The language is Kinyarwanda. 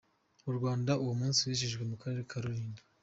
Mu Rwanda uwo munsi wizihirijwe mu karere ka Rulindo.